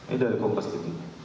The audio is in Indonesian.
ini dari kompastv